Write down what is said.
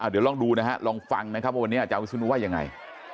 เดี๋ยวลองดูนะฮะลองฟังนะครับว่าวันนี้อาจารย์วิศนุว่ายังไง